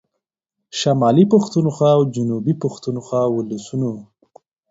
شمالي پښتونخوا او جنوبي پښتونخوا ولسونو